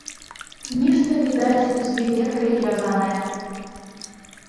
Нешта, відаць, з выведкай звязанае.